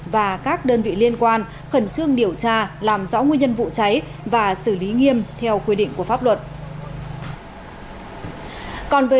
và các đơn vị liên quan khẩn trương điều tra làm rõ nguyên nhân vụ cháy và xử lý nghiêm theo quy định của pháp luật